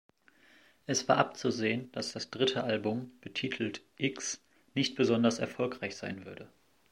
Es war abzusehen, dass das dritte Album, betitelt "X", nicht besonders erfolgreich sein würde.